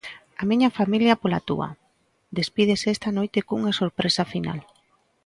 "A miña familia pola túa" despídese esta noite cunha sorpresa final.